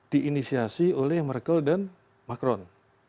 di inisiasi oleh merkel dan macron